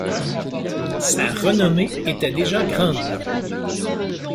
Sa renommée était déjà grande.